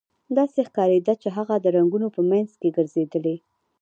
داسې ښکاریده چې هغه د رنګونو په مینځ کې ګرځیدلې